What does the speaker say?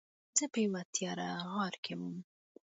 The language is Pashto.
زه په یوه تیاره غار کې وم.